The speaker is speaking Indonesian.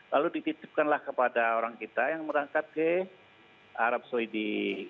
lalu dititipkanlah kepada orang kita yang berangkat ke arab saudi